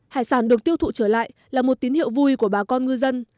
hải sản được tiêu thụ trở lại là một tín hiệu vui của bà con ngư dân